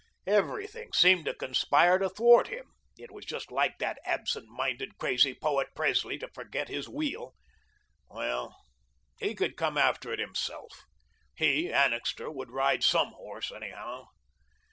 Everything seemed to conspire to thwart him. It was just like that absent minded, crazy poet, Presley, to forget his wheel. Well, he could come after it himself. He, Annixter, would ride SOME horse, anyhow.